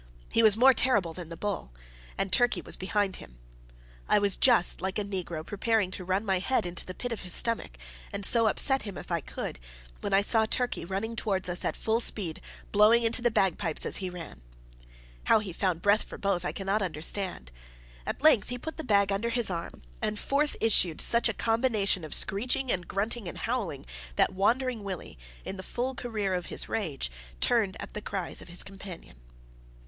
He was more terrible than the bull, and Turkey was behind him. I was just, like a negro, preparing to run my head into the pit of his stomach, and so upset him if I could, when I saw Turkey running towards us at full speed, blowing into the bagpipes as he ran. How he found breath for both I cannot understand. At length, he put the bag under his arm, and forth issued such a combination of screeching and grunting and howling, that Wandering Willie, in the full career of his rage, turned at the cries of his companion.